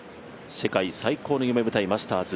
世界最高の夢舞台、マスターズ。